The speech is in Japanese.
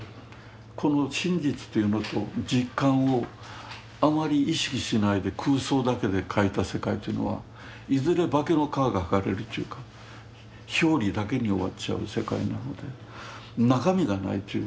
この真実というのと実感をあまり意識しないで空想だけで描いた世界というのはいずれ化けの皮が剥がれるというか表裏だけに終わっちゃう世界なので中身がないという。